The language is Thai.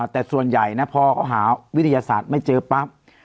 แต่ส่วนใหญ่นะพอเขาหาวิทยาศาสตร์ไม่เจอปั๊บ